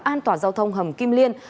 an toàn giao thông hầm kim liên